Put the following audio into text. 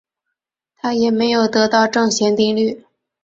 他也没有得到正弦定律。